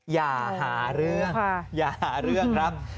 อย่าหาเรื่องอย่าหาเรื่องครับ